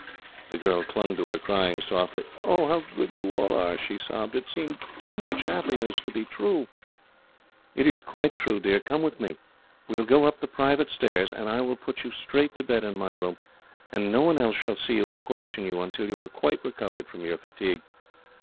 The girl clung to her, crying softly. "Oh, how good you all are!" she sobbed. "It seems too much happiness to be true." "It is quite true, dear. Come with me. We will go up the private stairs, and I will put you straight to bed in my room, and no one else shall see you, or question you, until you are quite recovered from your fatigue."